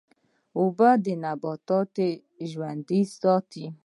اوبه نباتات ژوندی ساتي.